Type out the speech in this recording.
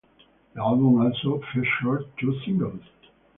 The album also featured two singles.